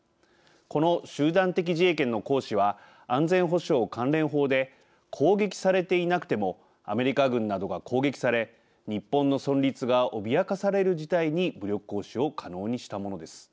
この集団的自衛権の行使は安全保障関連法で攻撃されていなくてもアメリカ軍などが攻撃され日本の存立が脅かされる事態に武力行使を可能にしたものです。